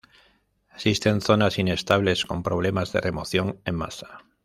Existen zonas inestables con problemas de remoción en masa.